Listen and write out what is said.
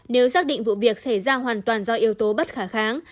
nếu xác định vụ việc xảy ra hoàn toàn do yếu tố bất khả kháng